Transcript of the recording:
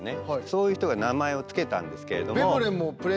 そういう人が名前を付けたんですけれども。